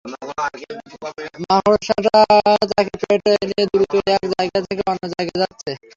মাকড়সাটা তাঁকে পেটে নিয়ে দ্রুত এক জায়গা থেকে অন্য জায়গায় যাচ্ছে।